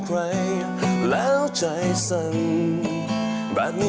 ก้าวเบื้องก้าว